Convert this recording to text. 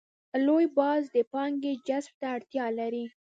لوی بازار د پانګې جذب ته اړتیا لري.